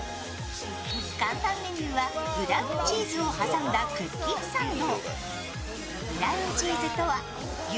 看板メニューは、ブラウンチーズを挟んだクッキーサンド。